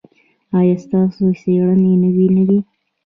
ایا ستاسو څیړنې نوې نه دي؟